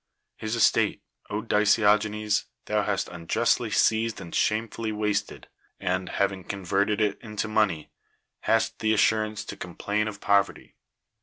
His estate, DiciKogeues, thou hast unjustly seized and shamefully wasted, and, having con verted it into money, hast the assurance to coni' plain of poverty.